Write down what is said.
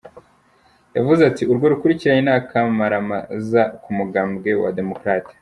Yavuze ati:"Urwo rukurikirane ni akamaramaza ku mugambwe w'aba demokrate.